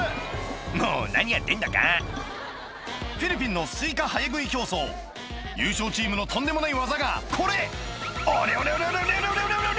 もう何やってんだかフィリピンのスイカ早食い競争優勝チームのとんでもない技がこれ「おりゃおりゃおりゃおりゃおりゃ！」